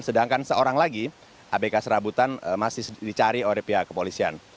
sedangkan seorang lagi abk serabutan masih dicari oleh pihak kepolisian